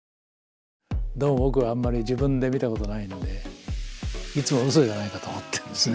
どうも僕はあんまり自分で見たことないんでいつもうそじゃないかと思ってるんですね。